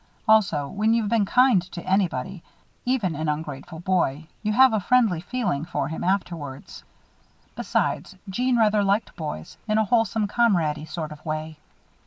Also, when you've been kind to anybody, even an ungrateful boy, you have a friendly feeling for him afterwards. Besides, Jeanne rather liked boys, in a wholesome comrade y sort of way.